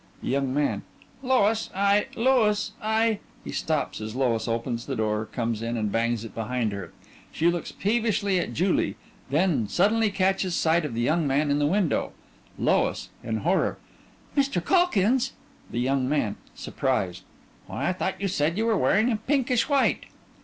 THE YOUNG MAN: Lois I Lois I (He stops as LOIS opens the door, comes in, and bangs it behind her. She looks peevishly at JULIE and then suddenly catches sight of the young man in the window) LOIS: (In horror) Mr. Calkins! THE YOUNG MAN: (Surprised) Why I thought you said you were wearing pinkish white!